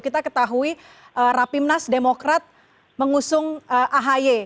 kita ketahui rapimnas demokrat mengusung ahy